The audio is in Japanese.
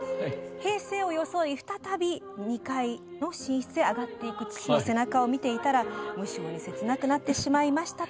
平静を装い再び２階の寝室へ上がっていく父の背中を見ていたら無性に切なくなってしまいました。